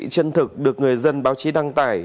chân thực được người dân báo chí đăng tải